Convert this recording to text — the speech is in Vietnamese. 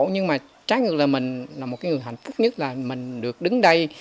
nhưng mà trái ngược là mình là một người hạnh phúc nhất là mình được đứng đây